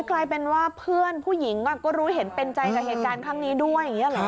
กลายเป็นว่าเพื่อนผู้หญิงก็รู้เห็นเป็นใจกับเหตุการณ์ครั้งนี้ด้วยอย่างนี้เหรอ